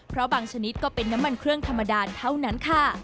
เพราะบางชนิดก็เป็นน้ำมันเครื่องธรรมดาเท่านั้นค่ะ